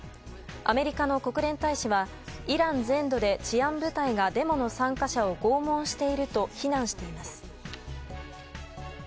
アメリカの国連大使はイラン全土で治安部隊がデモの参加者を拷問していると非難しています。